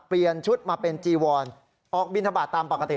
เปลี่ยนชุดมาเป็นจีวอนออกบินทบาทตามปกติ